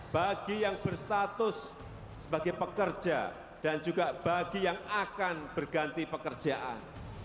bagi yang berstatus sebagai pekerja dan juga bagi yang akan berganti pekerjaan